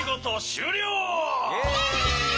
イエイ！